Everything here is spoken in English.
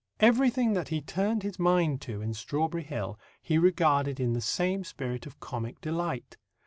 Everything that he turned his mind to in Strawberry Hill he regarded in the same spirit of comic delight.